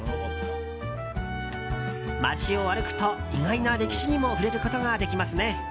街を歩くと意外な歴史にも触れることができますね。